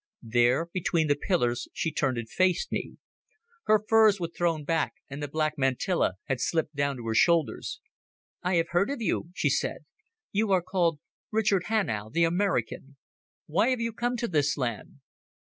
There, between the pillars, she turned and faced me. Her furs were thrown back, and the black mantilla had slipped down to her shoulders. "I have heard of you," she said. "You are called Richard Hanau, the American. Why have you come to this land?"